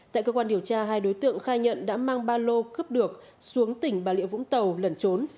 tại cơ quan điều tra hai đối tượng khai nhận đã mang ba lô cướp được xuống tỉnh bà rịa vũng tàu lẩn trốn